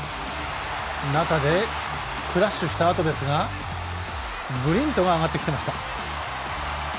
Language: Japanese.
中でクラッシュしたあとですがブリントが上がってきていました。